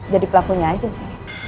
jadi pelakunya aja sih